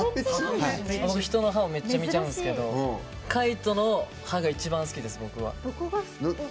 僕、人の歯をめっちゃ見ちゃうんですけど海人の歯が一番好きです、僕は。